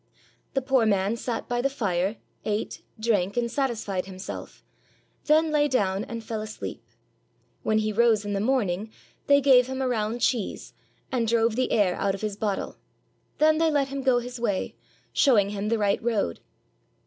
The poor man sat by the fire, ate, drank, and satisfied himself, then lay down and fell asleep. When he rose in the morning, they gave him a round cheese, and drove the air out of his bottle; then they let him go his way, showing him the right road.